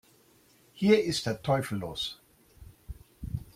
Hier ist der Teufel los!